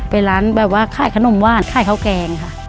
เป็นร้านแบบว่าขายขนมหวานขายข้าวแกงค่ะ